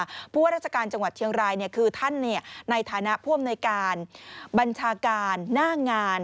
เพราะว่าราชการจังหวัดเชียงรายคือท่านในฐานะผู้อำนวยการบัญชาการหน้างาน